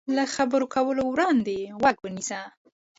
له خبرو کولو وړاندې غوږ ونیسه.